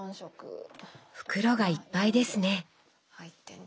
袋がいっぱいですね。